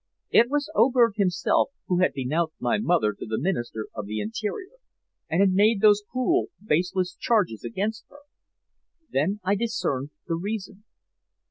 It was Oberg himself who had denounced my mother to the Minister of the Interior, and had made those cruel, baseless charges against her! Then I discerned the reason.